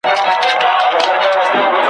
اوښکه د باڼو پر سر تکیه یمه تویېږمه ,